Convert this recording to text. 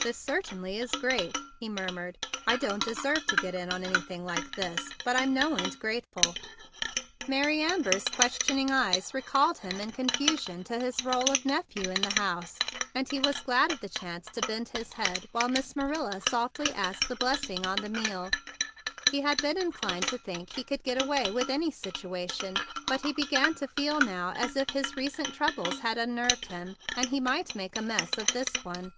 "This certainly is great!" he mur¬ mured. "I don't deserve to get in on anything like this, but I'm no end grateful." Mary Amber's questioning eyes re¬ called him in confusion to his role of nephew in the house, and he was glad of the chance to bend his head while Miss Marilla softly asked a blessing on the meal. He had been wont to think he could get away with any situation; but he began to feel now as if his recent troubles had unnerved him, and he might make a mess of this one.